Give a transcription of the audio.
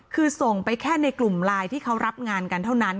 คือส่งไปแค่ในกลุ่มไลน์ที่เขารับงานกันเท่านั้น